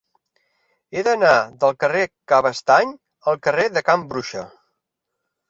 He d'anar del carrer de Cabestany al carrer de Can Bruixa.